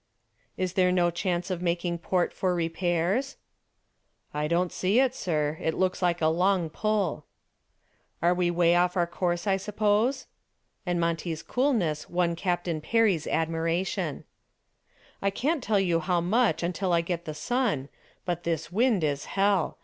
"Is there no chance of making a port for repairs?" "I don't see it, sir. It looks like a long pull." "We are way off our course, I suppose?" and Monty's coolness won Captain Perry's admiration. "I can't tell just how much until I get the sun, but this wind is hell.